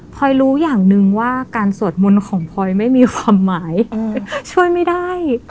พอยรู้อย่างหนึ่งว่าการสวดมนต์ของพลอยไม่มีความหมายช่วยไม่ได้